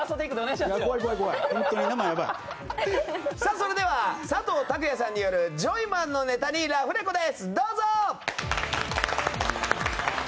それでは、佐藤拓也さんによるジョイマンのネタにラフレコです、どうぞ！